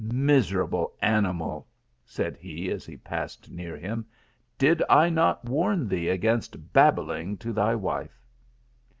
" Miserable ani mal," said he, as he passed near him, "did I not warn thee against Dabbling to thy wife?